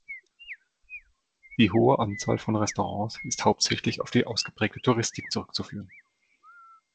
Die hohe Anzahl von Restaurants ist hauptsächlich auf die ausgeprägte Touristik zurückzuführen.